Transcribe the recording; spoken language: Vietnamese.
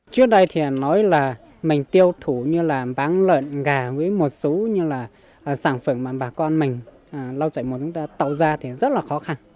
trước đây thì nói là mình tiêu thủ như là bán lợn gà với một số như là sản phẩm mà bà con mình lao chạy một chúng ta tạo ra thì rất là khó khăn